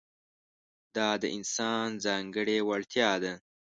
دا د انسان ځانګړې وړتیا ده.